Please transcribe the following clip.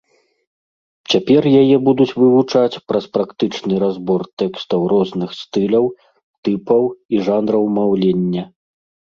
Цяпер яе будуць вывучаць праз практычны разбор тэкстаў розных стыляў, тыпаў і жанраў маўлення.